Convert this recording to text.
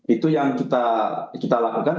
itu yang kita lakukan